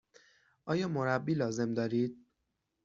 آیا مربی لازم دارید؟